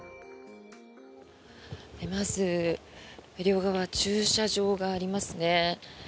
まず両側駐車場がありますね。